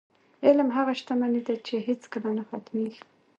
علم هغه شتمني ده، چې هېڅکله نه ختمېږي.